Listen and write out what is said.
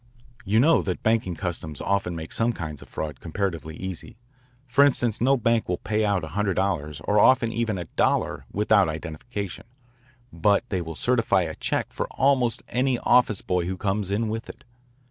"You know that banking customs often make some kinds of fraud comparatively easy. For instance no bank will pay out a hundred dollars or often even a dollar without identification, but they will certify a check for almost any office boy who comes in with it.